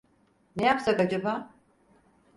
Ne yapsak acaba?